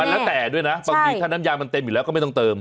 แล้วแต่ด้วยนะบางทีถ้าน้ำยามันเต็มอยู่แล้วก็ไม่ต้องเติม